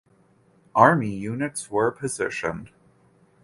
Army units were positioned.